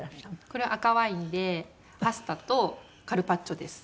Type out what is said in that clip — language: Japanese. これは赤ワインでパスタとカルパッチョです。